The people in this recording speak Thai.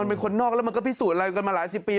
มันเป็นคนนอกแล้วมันก็พิสูจน์อะไรกันมาหลายสิบปี